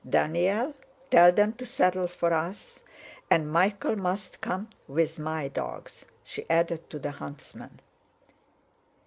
"Daniel, tell them to saddle for us, and Michael must come with my dogs," she added to the huntsman.